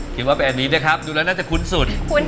คิดว่าแบบนี้ด้วยครับดูแล้วน่าจะคุ้นสุด